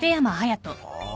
ああ。